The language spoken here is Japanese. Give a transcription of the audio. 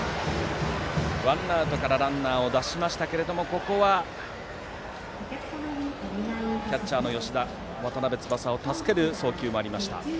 ワンアウトからランナーを出しましたがここはキャッチャーの吉田が渡邉翼を助ける送球もありました。